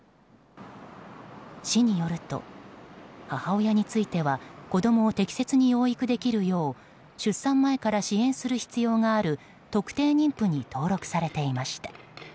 市によると、母親については子供を適切に養育できるよう出産前から支援する必要がある特定妊婦に登録されていました。